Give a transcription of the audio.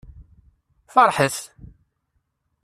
Feṛḥet!